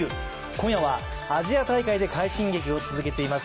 今夜はアジア大会で快進撃を続けています